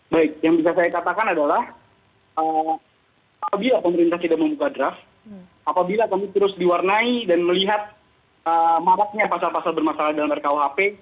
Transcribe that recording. baik yang bisa saya katakan adalah apabila pemerintah tidak membuka draft apabila kami terus diwarnai dan melihat maraknya pasal pasal bermasalah dalam rkuhp